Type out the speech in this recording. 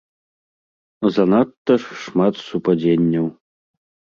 Занадта ж шмат супадзенняў.